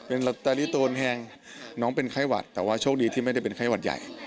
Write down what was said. เป็นลอตเตอรี่ตัวนแพงน้องเป็นไข้หวัดแต่ว่าโชคดีที่ไม่ได้เป็นไข้หวัดใหญ่